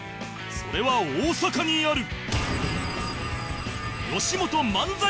それは大阪にある